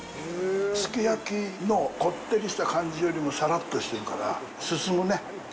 すき焼きのコッテリした感じよりもサラッとしてるから、進むね。